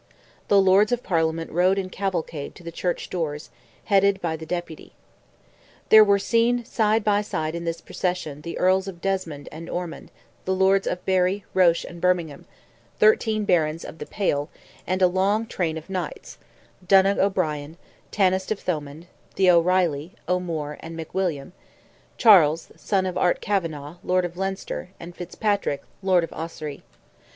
The Lords of Parliament rode in cavalcade to the Church doors, headed by the Deputy. There were seen side by side in this procession the Earls of Desmond and Ormond, the Lords Barry, Roche and Bermingham; thirteen Barons of "the Pale," and a long train of Knights; Donogh O'Brien, Tanist of Thomond, the O'Reilly, O'Moore and McWilliam; Charles, son of Art Kavanagh, lord of Leinster, and Fitzpatrick, lord of Ossory.